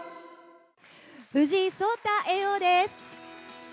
藤井聡太叡王です。